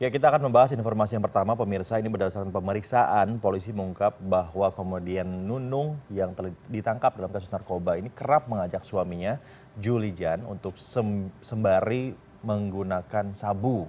kita akan membahas informasi yang pertama pemirsa ini berdasarkan pemeriksaan polisi mengungkap bahwa komedian nunung yang ditangkap dalam kasus narkoba ini kerap mengajak suaminya juli jan untuk sembari menggunakan sabu